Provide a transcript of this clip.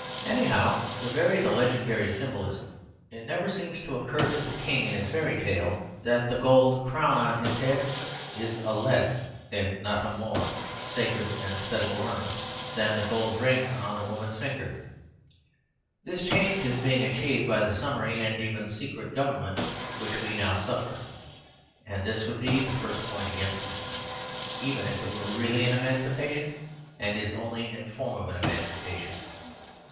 Anyhow, to vary the legendary symbolism, it never seems to occur to the king in this fairy 50 \ The Superstition of Divorce 51 tale that the gold crown on his head is a less, and not a more, sacred and settled ornament than the gold ring on the woman's finger. This change is being achieved by the sum mary and even secret government which we now suffer; and this would be the first point against it, even if it were really an emancipa tion; and it is only in form an emancipation.